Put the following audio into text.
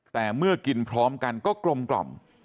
แต่เมื่อกินพร้อมกันก็กลม